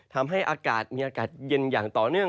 ทำให้อากาศมีอากาศเย็นอย่างต่อเนื่อง